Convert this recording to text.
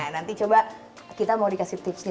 nanti coba kita mau dikasih tipsnya